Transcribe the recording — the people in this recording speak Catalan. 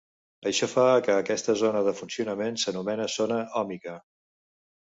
Això fa que a aquesta zona de funcionament s'anomena zona òhmica.